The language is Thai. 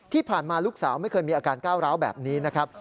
ที่ผ่านมาลูกสาวไม่เคยมีอาการก้าวร้าวแบบนี้นะครับ